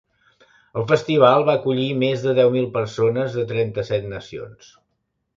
El festival va acollir més de deu mil persones de trenta-set nacions.